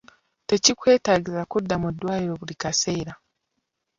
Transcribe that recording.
Tekikwetaagisa kudda mu ddwaliro buli kiseera.